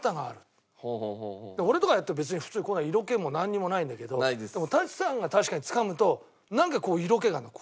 俺とかがやっても別に普通色気もなんにもないんだけどでも舘さんが確かにつかむとなんかこう色気があるの。